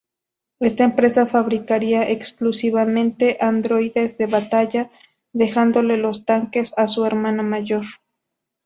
Esta empresa fabricaría exclusivamente androides de batalla, dejándole los tanques a su "hermana mayor".